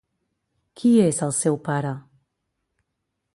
Qui és el seu pare?